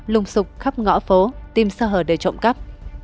lùng sục khắp ngõ phố tim sơ hở để trộm cắp